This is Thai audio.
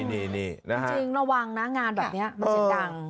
จริงระวังนะงานแบบนี้มันเสียงดัง